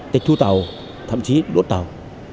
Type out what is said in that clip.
tịch thu tàu thậm chí đốt tàu